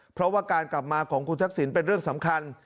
เพราะว่าการกลับมาของคุณทักษิณเป็นเรื่องสำคัญ